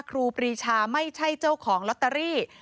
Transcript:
ครูปรีชาไม่ใช่เจ้าของลอตเตอรี่